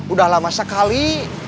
udah lama sekali